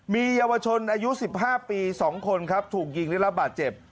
มีเยาวชนอายุ๑๕ปี๒คนครับถูกยิงได้รับบาดเจ็บ